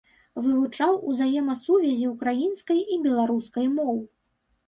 Вывучаў узаемасувязі ўкраінскай і беларускай моў.